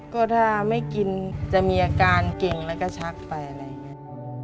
ก็ถ้าไม่กินจะมีอาการเก่งแล้วก็ชักไปอะไรอย่างนี้